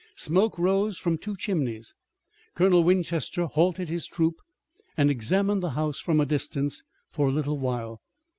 Smoke rose from two chimneys. Colonel Winchester halted his troop and examined the house from a distance for a little while.